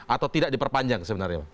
atau tidak diperpanjang sebenarnya